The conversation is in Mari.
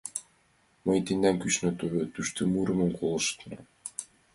Мый тендан кӱшнӧ, тӧвӧ тушто, мурымыдам колыштынам.